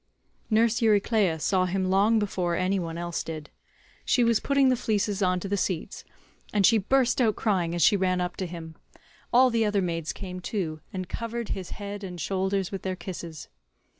Nurse Euryclea saw him long before any one else did. She was putting the fleeces on to the seats, and she burst out crying as she ran up to him; all the other maids came up too, and covered his head and shoulders with their kisses.